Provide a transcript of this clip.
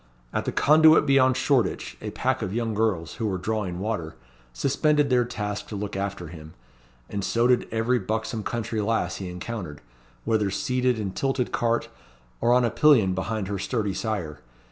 At the Conduit beyond Shoreditch, a pack of young girls, who were drawing water, suspended their task to look after him; and so did every buxom country lass he encountered, whether seated in tilted cart, or on a pillion behind her sturdy sire.